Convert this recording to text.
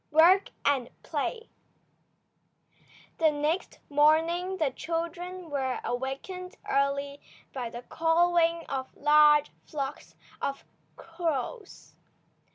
WORK AND PLAY THE next morning the children were awakened early by the cawing of large flocks of crows.